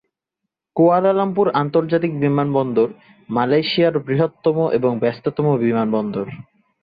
Kuala Lumpur আন্তর্জাতিক বিমানবন্দর মালয়েশিয়ার বৃহত্তম এবং ব্যস্ততম বিমানবন্দর।